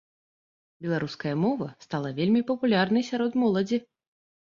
Беларуская мова стала вельмі папулярнай сярод моладзі.